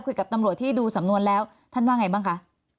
คุยกับตำรวจที่ดูสำนวนแล้วท่านว่าไงบ้างคะ